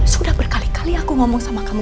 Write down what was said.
sudah berkali kali aku ngomong sama kamu